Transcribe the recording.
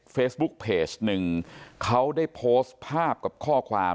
เฟซบุ๊กเพจหนึ่งเขาได้โพสต์ภาพกับข้อความ